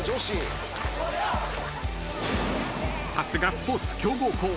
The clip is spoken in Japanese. ［さすがスポーツ強豪校］